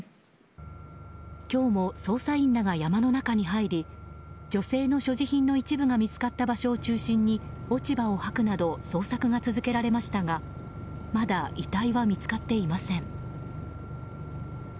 今日も捜査員らが山の中に入り女性の所持品の一部が見つかった場所を中心に落ち葉を掃くなど捜索が続けられましたがまだ遺体は見つかっていません。